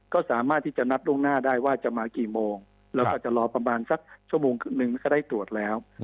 ก็สามารถที่จะนัดล่วงหน้าได้ว่าจะมากี่โมงแล้วก็จะรอประมาณสักชั่วโมงหนึ่งก็ได้ตรวจแล้ว